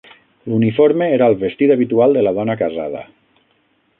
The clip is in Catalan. L'uniforme era el vestit habitual de la dona casada.